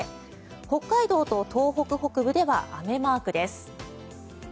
北海道と東北北部では雨マークです。